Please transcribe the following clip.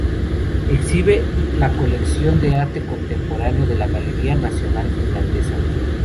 Exhibe la colección de arte contemporáneo de la Galería Nacional Finlandesa.